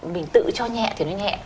mình tự cho nhẹ thì nó nhẹ